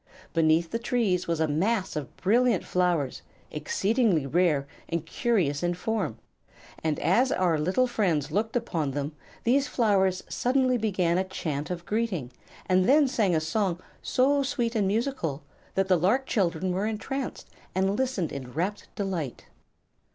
Beneath the trees was a mass of brilliant flowers, exceedingly rare and curious in form, and as our little friends looked upon them these flowers suddenly began a chant of greeting and then sang a song so sweet and musical that the lark children were entranced and listened in rapt delight.